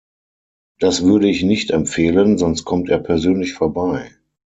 Das würde ich nicht empfehlen, sonst kommt er persönlich vorbei.